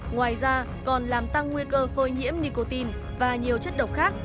ngoài ra còn làm tăng nguy cơ phơi nhiễm nicotine và nhiều chất độc khác